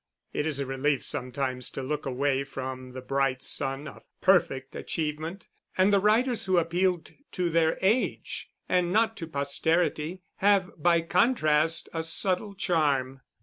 It is a relief sometimes to look away from the bright sun of perfect achievement; and the writers who appealed to their age and not to posterity, have by contrast a subtle charm.